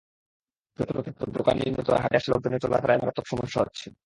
যত্রতত্র দোকান নির্মিত হওয়ায় হাটে আসা লোকজনের চলাফেরায় মারাত্মক সমস্যা হচ্ছে।